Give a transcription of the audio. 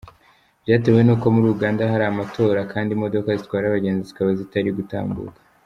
Byatewe n’uko muri Uganda hari amatora kandi imodoka zitwara abagenzi zikaba zitari gutambuka.